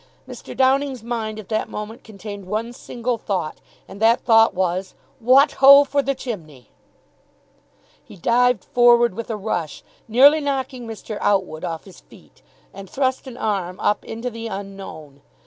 Mr. Downing's mind at that moment contained one single thought; and that thought was "What ho for the chimney!" He dived forward with a rush, nearly knocking Mr. Outwood off his feet, and thrust an arm up into the unknown.